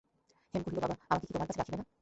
হেম কহিল, বাবা, আমাকে কি তোমার কাছে রাখিবে না?